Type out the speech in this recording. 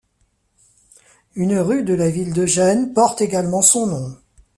Une rue de la ville de Gênes porte également son nom.